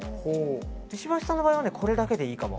石橋さんの場合はこれだけでいいかも。